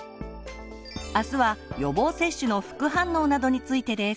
明日は予防接種の副反応などについてです。